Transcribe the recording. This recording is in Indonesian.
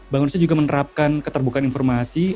bank indonesia juga menerapkan keterbukaan informasi